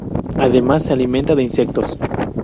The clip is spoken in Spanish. Además se alimenta de insectos.